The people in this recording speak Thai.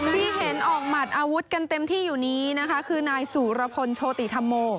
ที่เห็นออกหมัดอาวุธกันเต็มที่อยู่นี้นะคะคือนายสุรพลโชติธรรมโม